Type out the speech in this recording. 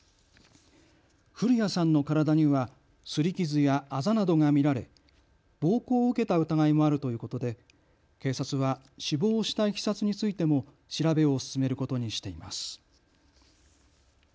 古屋さんの体にはすり傷やあざなどが見られ暴行を受けた疑いもあるということで警察は死亡したいきさつについても調べを進めることにしています。